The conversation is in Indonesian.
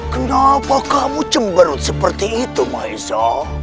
kenapa kamu cemberut seperti itu mahesa